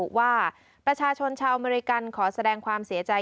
ว่าประชาชนชาวอเมริกันขอแสดงความเสียใจ